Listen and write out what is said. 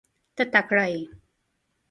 ته تکړه یې .